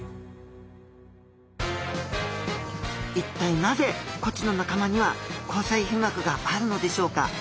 一体なぜコチの仲間には虹彩被膜があるのでしょうか？